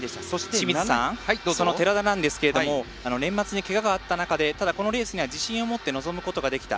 清水さん、寺田なんですけど年末に、けががあった中でただ、このレースには自信を持って臨むことができた。